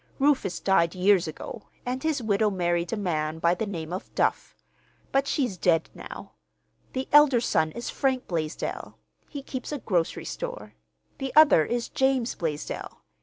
Rufus died years ago, and his widow married a man by the name of Duff. But she's dead now. The elder son is Frank Blaisdell. He keeps a grocery store. The other is James Blaisdell.